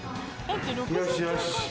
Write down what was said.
よしよし。